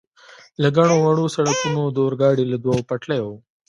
له ګڼو وړو سړکونو، د اورګاډي له دوو پټلیو.